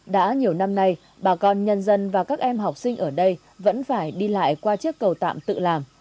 đã nhiều năm nay bà con nhân dân và các em học sinh ở đây vẫn phải đi lại qua chiếc cầu tạm tự làm